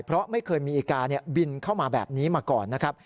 เพราะไม่เคยมีอีกาบินเข้ามาแบบนี้มาก่อนนะครับ